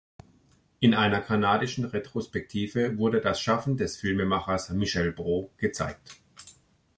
In einer kanadischen Retrospektive wurde das Schaffen des Filmemachers Michel Brault gezeigt.